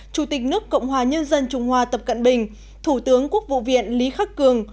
chủ tịch nước cộng hòa nhân dân trung hoa tập cận bình thủ tướng quốc vụ viện lý khắc cường